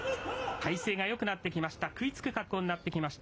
体勢がよくなってきました。